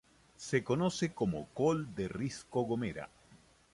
Se conoce como "col de risco gomera".